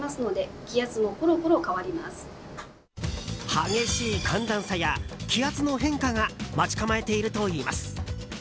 激しい寒暖差や気圧の変化が待ち構えているといいます。